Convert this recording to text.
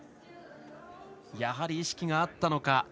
やはり、意識があったのか。